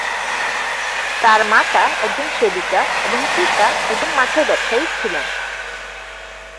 তার মাতা একজন সেবিকা এবং পিতা একজন মাছের ব্যবসায়ী ছিলেন।